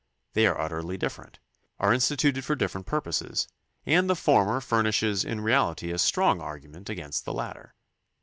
They are utterly different, are instituted for different purposes, and the former furnishes in reahty a strong argument against the latter.